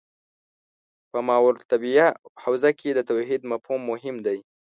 په ماورا الطبیعه حوزه کې د توحید مفهوم مهم دی.